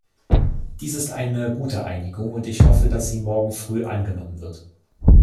Dies ist eine gute Einigung, und ich hoffe, dass sie morgen früh angenommen wird.